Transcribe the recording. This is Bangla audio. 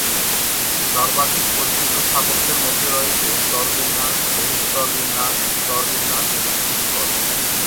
সর্বাধিক পরিচিত স্থাপত্যের মধ্যে রয়েছে স্তরবিন্যাস, বহুস্তরবিন্যাস, স্তরবিন্যাস এবং সংকর।